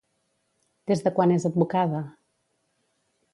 Des de quan és advocada?